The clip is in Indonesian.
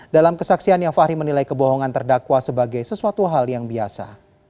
dalam kesaksiannya fahri menilai kebohongan terdakwa sebagai sesuatu hal yang biasa